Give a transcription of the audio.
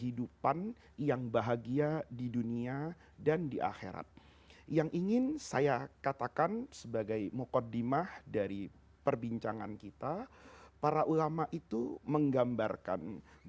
ini menjadi dua terima kasih yang akan allah berikan